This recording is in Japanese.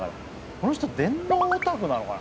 この人電脳オタクなのかな？